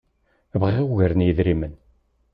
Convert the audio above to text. Bɣiɣ ugar n yidrimen.